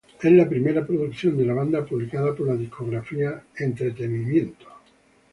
Es la primera producción de la banda publicada por la discográfica Entertainment One.